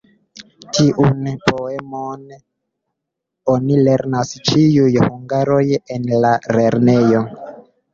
Tiun poemon oni lernas ĉiuj hungaroj en la lernejo.